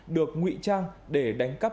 được nguy trang để đánh cắp